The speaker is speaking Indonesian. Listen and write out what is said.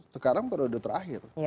sekarang periode terakhir